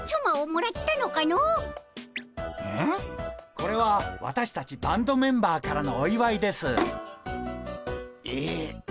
これは私たちバンドメンバーからのおいわいです。え。